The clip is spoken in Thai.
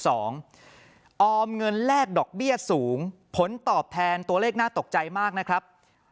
ออมเงินแลกดอกเบี้ยสูงผลตอบแทนตัวเลขน่าตกใจมากนะครับ